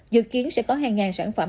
dự kiến sẽ có hàng ngàn sản phẩm